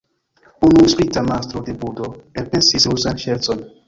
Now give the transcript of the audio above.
Unu sprita mastro de budo elpensis ruzan ŝercon.